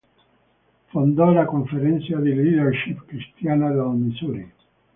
Fondò la conferenza di leadership cristiana del Missouri.